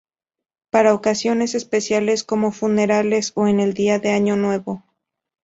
Para ocasiones especiales, como funerales o en el Día de Año Nuevo.